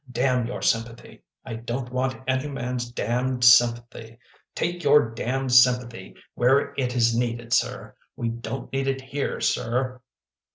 Damn your sympathy! I don t want any man s damned sympathy! Take your damned sympathy where it is needed, Sir! We don t need it here, Sir.